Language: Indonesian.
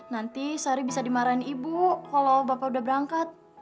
nanti sari bisa dimarahin ibu kalau bapak udah berangkat